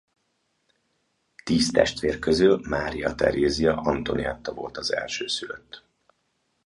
Tíz testvér közül Mária Terézia Antonietta volt az elsőszülött.